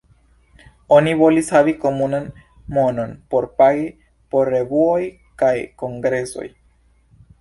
Oni volis havi komunan monon por pagi por revuoj kaj kongresoj.